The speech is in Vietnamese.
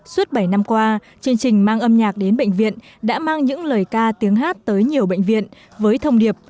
suốt bảy năm qua chương trình mang âm nhạc đến bệnh viện đã mang những lời ca tiếng hát tới nhiều bệnh viện với thông điệp